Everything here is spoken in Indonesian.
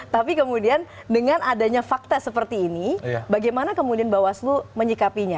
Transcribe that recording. tapi kemudian dengan adanya fakta seperti ini bagaimana kemudian bawaslu menyikapinya